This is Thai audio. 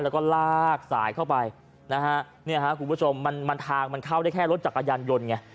แล้วก็ลากสายเข้าไปนะฮะเนี่ยฮะคุณผู้ชมมันมันทางมันเข้าได้แค่รถจักรยานยนต์ไง